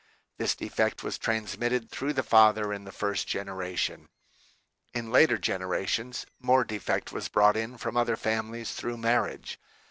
This defect was transmitted through the father in the first generation. In later generations, more defect was brought in from other families through marriage.